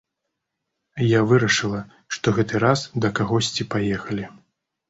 Я вырашыла, што гэты раз да кагосьці паехалі.